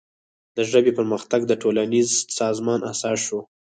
د ژبې پرمختګ د ټولنیز سازمان اساس شو.